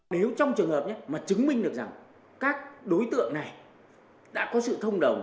nếu trong trường hợp nhất mà chứng minh được rằng các đối tượng này đã có sự thông đồng